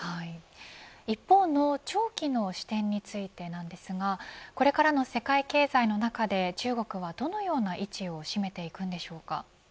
一方の長期の視点についてなんですがこれからの世界経済の中で中国はどのような位置を占めていくんでしょうか。